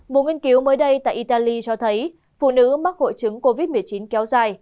một nghiên cứu mới đây tại italy cho thấy phụ nữ mắc hội chứng covid một mươi chín kéo dài